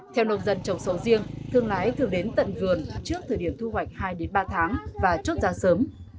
theo nông dân trồng sầu riêng thương lái thường đến tận vườn trước thời điểm thu hoạch hai ba tháng và chốt ra sớm